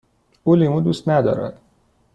او لیمو دوست ندارد.